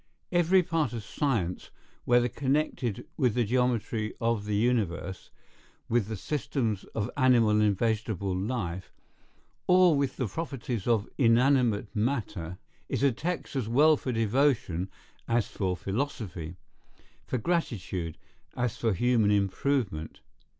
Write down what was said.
Every part of science, whether connected with the geometry of the universe, with the systems of animal and vegetable life, or with the properties of inanimate matter, is a text as well for devotion as for philosophy—for gratitude, as for human improvement.